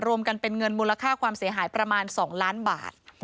รวมกันเป็นเงินมูลค่าความเสียหายประมาณ๒ล้านบาท